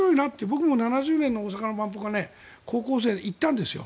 僕も７０年の大阪の万博は高校生の時、行ったんですよ。